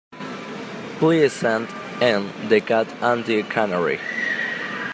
Pleasant en "The Cat and the Canary".